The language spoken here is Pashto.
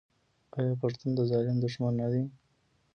آیا پښتون د ظالم دښمن نه دی؟